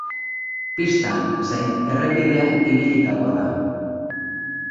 Pistan zein errepidean ibilitakoa da.